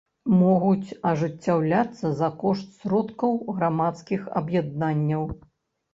Могуць ажыццяўляцца за кошт сродкаў грамадскіх аб’яднанняў.